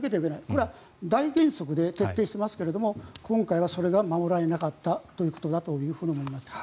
これは大原則で徹底していますけれども今回はそれが守られなかったということだと思います。